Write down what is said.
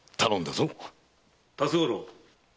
・辰五郎！